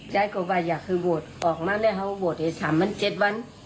ยายก็บอกอยากให้บวชบอกมานั่นแหละเขาบวช๓๗วัน